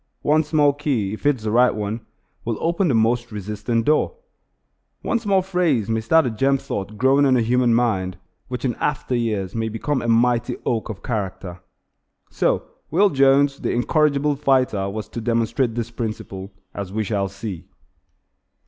One small key, if it is the right one, will open the most resisting door. One small phrase may start a germ thought growing in a human mind which in after years may become a mighty oak of character. So Will Jones, the incorrigible fighter was to demonstrate this principle, as we shall see.